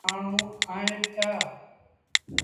مآڻهوٚݩ ائيٚݩ پيآ۔